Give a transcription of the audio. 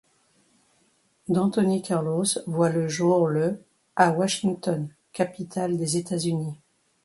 D'Anthony Carlos voit le jour le à Washington, capitale des États-Unis.